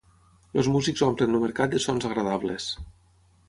Els músics omplen el mercat de sons agradables.